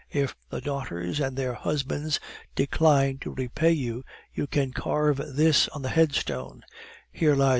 If the daughters and their husbands decline to repay you, you can carve this on the headstone '_Here lies M.